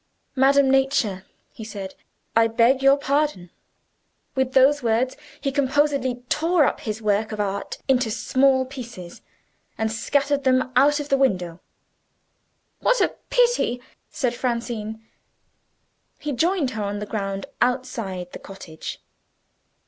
"Madam Nature," he said, "I beg your pardon." With those words, he composedly tore his work of art into small pieces, and scattered them out of the window. "What a pity!" said Francine. He joined her on the ground outside the cottage.